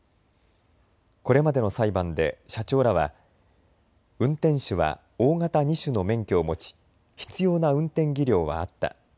これまでの裁判で社長らは運転手は大型２種の免許を持ち必要な運転技量はあった。